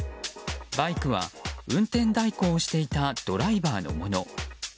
バイクは、運転代行をしていたドライバーのもの。